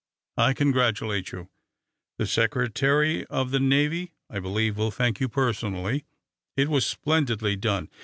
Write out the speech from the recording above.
I congratulate you. The Secretary of the Navy, I believe, will thank you personally, It was splendidly done.